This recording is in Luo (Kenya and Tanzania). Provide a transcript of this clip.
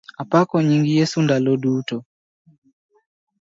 Apako nying Yesu ndalo duto.